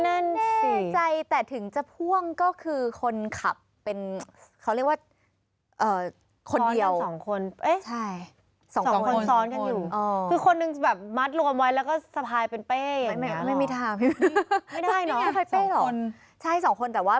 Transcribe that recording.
ไม่แกว่งไม่อะไรเลยคือเขามัดกันยังไงหรอ